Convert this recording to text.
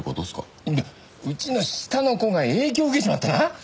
うちの下の子が影響を受けちまってな。